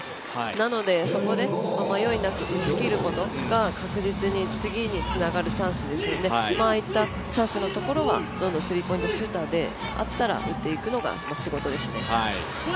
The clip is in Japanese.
なのでそこで迷いなく打ちきることが、確実に次につながるチャンスですのでああいったチャンスのところはどんどんスリーポイントシューターであったら打っていくのが仕事ですね。